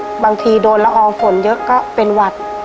บางทีโดนละอองฝนเยอะก็เป็นหวัด